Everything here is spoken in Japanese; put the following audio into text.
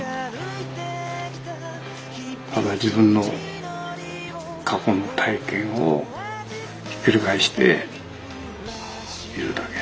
ただ自分の過去の体験をひっくり返しているだけ。